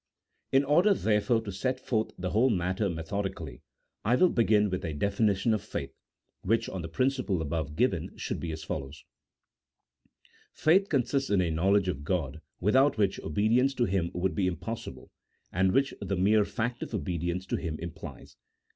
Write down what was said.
In order, therefore, to set forth the whole matter metho dically, I will begin with a definition of faith, which on the principle above given, should be as follows :— Faith consists in a knowledge of God, without which obedience to Him would be impossible, and which the mere fact of obedience to Him implies.